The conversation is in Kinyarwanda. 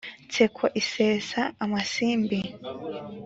Nseko isesa amasimbi,